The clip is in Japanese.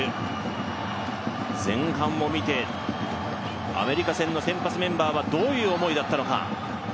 前半を見て、アメリカ戦の先発メンバーはどういう思いだったのか。